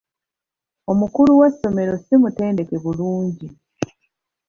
Omukulu w'essomero si mutendeke bulungi.